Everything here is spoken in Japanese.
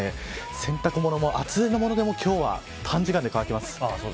洗濯物も厚手のものでも今日は、短時間で乾きます。